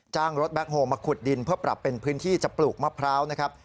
รถแบ็คโฮลมาขุดดินเพื่อปรับเป็นพื้นที่จะปลูกมะพร้าวนะครับ